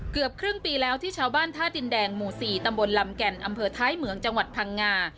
เกือบครึ่งปีแล้วที่ชาวบ้านท่าดินแดงหมู่๔ตำบลลำแก่นอำเภอท้ายเหมืองจังหวัดพังงา